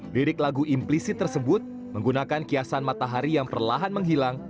lirik lagu implisit tersebut menggunakan kiasan matahari yang perlahan menghilang